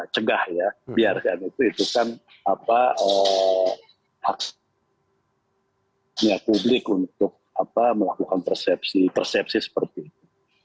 cegah ya biarkan itu itu kan hak publik untuk melakukan persepsi seperti itu